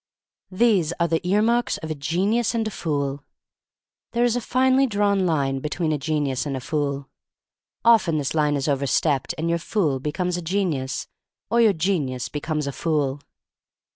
These are the ear marks of a genius — and of a fool. There is a finely drawn line between a genius and a fool. Often this line is overstepped and your fool becomes a genius, or your genius becomes a fool.